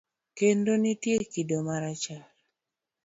Kendo nitie kido marachar.